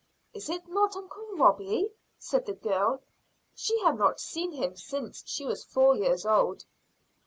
"Is it not uncle Robie?" said the girl. She had not seen him since she was four years old.